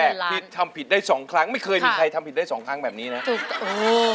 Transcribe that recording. เป็นคนแรกที่ทำผิดได้๒ครั้งไม่เคยมีใครทำผิดได้๒ครั้งแบบนี้นะ